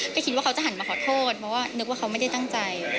ก็คิดว่าเขาจะหันมาขอโทษเพราะว่านึกว่าเขาไม่ได้ตั้งใจ